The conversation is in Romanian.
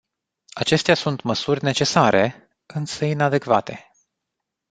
Acestea sunt măsuri necesare, însă inadecvate.